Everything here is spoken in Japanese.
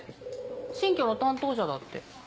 新居の担当者だって。